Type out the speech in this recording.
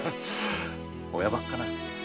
親ばかかな？